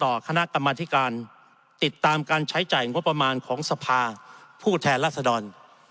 ทางหน้ากรรมที่การติดตามการใช้จ่ายงบประมาณของสภาพูดแทนรัฐดล